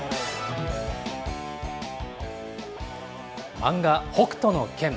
漫画、北斗の拳。